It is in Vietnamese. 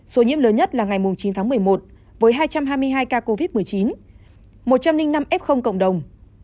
số nhiễm lớn nhất là ngày chín tháng một mươi một với hai trăm hai mươi hai ca covid một mươi chín một trăm linh năm f cộng đồng